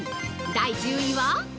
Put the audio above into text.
第１０位は？